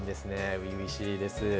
初々しいです。